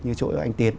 như chỗ của anh tiến